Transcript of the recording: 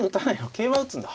桂馬打つんだ。